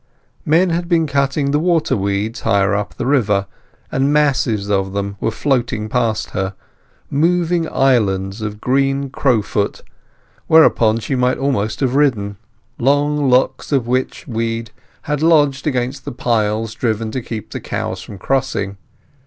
Men had been cutting the water weeds higher up the river, and masses of them were floating past her—moving islands of green crow foot, whereon she might almost have ridden; long locks of which weed had lodged against the piles driven to keep the cows from crossing.